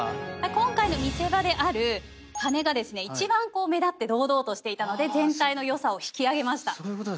今回の見せ場であるはねが一番目立って堂々としていたので全体の良さを引き上げました。